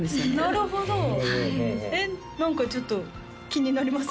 なるほどえっ何かちょっと気になりません？